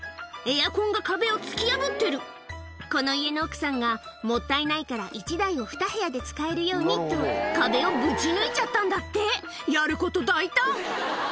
エアコンが壁を突き破ってるこの家の奥さんがもったいないから１台をふた部屋で使えるようにと壁をぶち抜いちゃったんだってやること大胆！